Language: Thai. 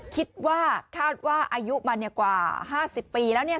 คาดว่าคาดว่าอายุมากว่า๕๐ปีแล้วเนี่ย